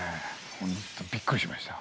本当にびっくりしました。